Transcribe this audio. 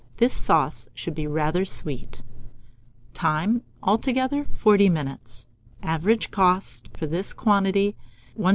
This sauce should be rather sweet. Time. Altogether 40 minutes. Average cost for this quantity, 1s.